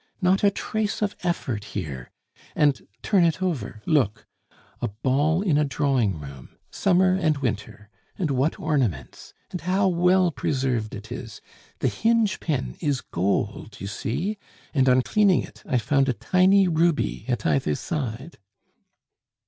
Not a trace of effort here! And, turn it over, look! a ball in a drawing room. Summer and Winter! And what ornaments! and how well preserved it is! The hinge pin is gold, you see, and on cleaning it, I found a tiny ruby at either side."